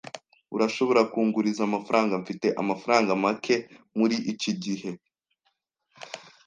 Urashobora kunguriza amafaranga? Mfite amafaranga make muri iki gihe.